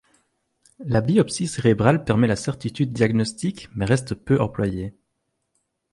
La biopsie cérébrale permet la certitude diagnostique mais reste peu employée.